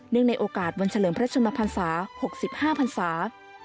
เนื่องในโอกาสวนเฉลิมพระชุมภัณฑ์ศาสตร์๖๕ภัณฑ์ศาสตร์